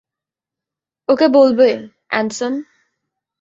ওকে বলবে, অ্যানসন?